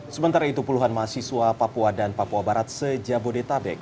sementara itu puluhan mahasiswa papua dan papua barat sejabodetabek